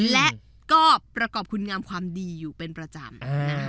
และก็ประกอบคุณงามความดีอยู่เป็นประจำ